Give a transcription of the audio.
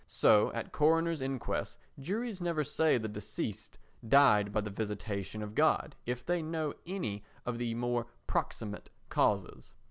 So at coroners' inquests juries never say the deceased died by the visitation of God if they know any of the more proximate causes.